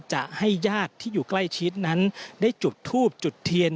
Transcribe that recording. จะให้ญาติที่อยู่ใกล้ชิดนั้นได้จุดทูบจุดเทียน